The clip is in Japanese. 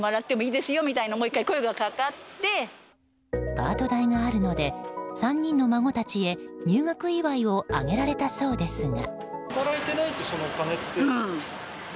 パート代があるので３人の孫たちへ入学祝いをあげられたそうですが。